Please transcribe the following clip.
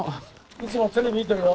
いつもテレビ見てるよ。